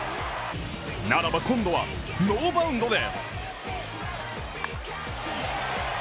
ならは、今度はノーバウンドで。